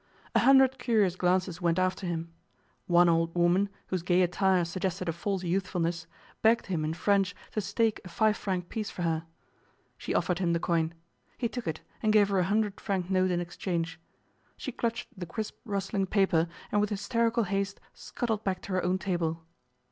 A hundred curious glances went after him. One old woman, whose gay attire suggested a false youthfulness, begged him in French to stake a five franc piece for her. She offered him the coin. He took it, and gave her a hundred franc note in exchange. She clutched the crisp rustling paper, and with hysterical haste scuttled back to her own table.